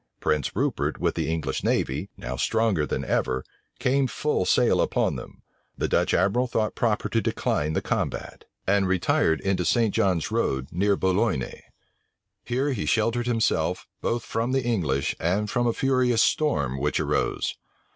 Prince Rupert with the English navy, now stronger than ever, came full sail upon them. The Dutch admiral thought proper to decline the combat, and retired into St. John's road, near Bulloigne. Here he sheltered himself, both from the English, and from a furious storm which arose.